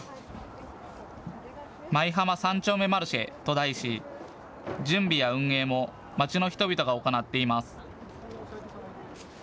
舞浜三丁目マルシェと題し準備や運営も街の人々が行っています。